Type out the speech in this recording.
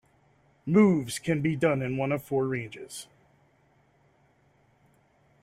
Moves can be done in one of four ranges.